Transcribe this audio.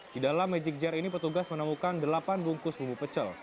di dalam magic jar ini petugas menemukan delapan bungkus bumbu pecel